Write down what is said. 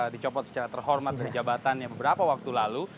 dicopot secara terhormat dari jabatannya beberapa waktu lalu